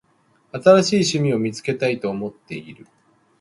新しい趣味を見つけたいと思っている。